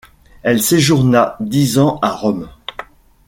Elle séjourna dix ans à Rome.